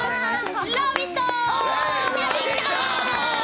「ラヴィット！」。